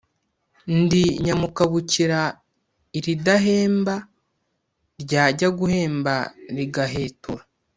ndi nyamukabukira ilidahemba, lyajya guhemba ligahetura.